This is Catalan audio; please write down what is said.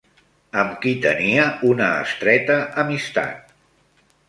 Amb qui tenia una estreta amistat?